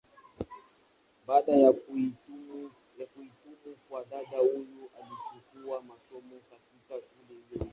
Baada ya kuhitimu kwa dada huyu alichukua masomo, katika shule hiyo hiyo.